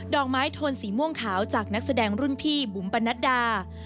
อกไม้โทนสีม่วงขาวจากนักแสดงรุ่นพี่บุ๋มปนัดดา